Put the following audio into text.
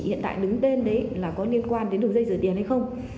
hiện tại đứng tên đấy là có liên quan đến đường dây rửa tiền hay không